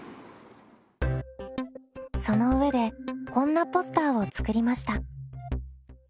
その上でこんなポスターを作りました。